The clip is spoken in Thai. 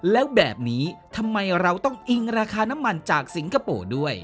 แล้วแบบนี้ทำไมเราต้องอิงราคาน้ำมันจากสิงคโปร์ด้วย